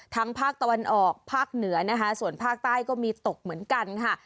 ภาคตะวันออกภาคเหนือนะคะส่วนภาคใต้ก็มีตกเหมือนกันค่ะ